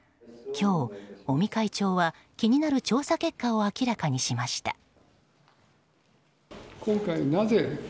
今日、尾身会長は気になる調査結果を明らかにしました。